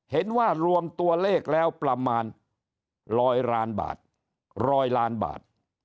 เห็นว่ารวมตัวเลขแล้วประมาณ๑๐๐ล้านบาท๑๐๐ล้านบาท